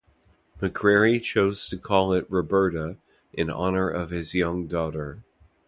McCrary chose to call it Roberta in honor of his young daughter.